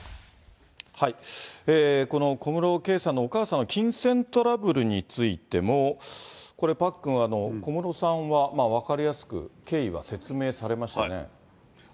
この小室圭さんのお母さんの金銭トラブルについても、これ、パックン、小室さんは分かりやすく経緯は説明されましたね。